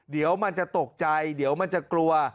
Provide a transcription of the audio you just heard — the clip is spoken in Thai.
เดี๋ยวมันจะตกใจเดี๋ยวมันจะกลัว